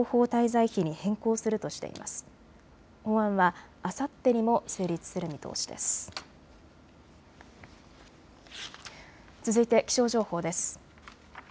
続いて気象情報です。